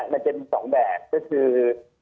มันเป็น๒แบบก็คือ